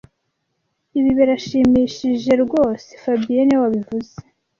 Ibi birashimishije rwose fabien niwe wabivuze